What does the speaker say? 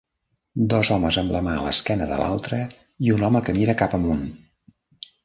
Dos homes amb la mà a l'esquena de l'altre i un home que mira cap amunt.